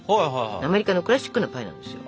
アメリカのクラシックなパイなんですよ。